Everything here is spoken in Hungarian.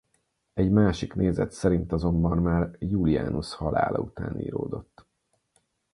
Egy másik nézet szerint azonban már Iulianus halála után íródott.